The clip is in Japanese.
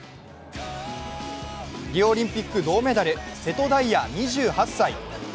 リオオリンピック銅メダル、瀬戸大也２８歳。